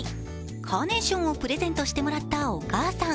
カーネーションをプレゼントしてもらったお母さん。